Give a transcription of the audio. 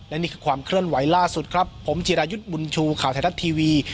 และนี่คือความเคลื่อนไหวล่าสุดครับผมจิรายุทธ์บุญชูข่าวไทยรัฐทีวี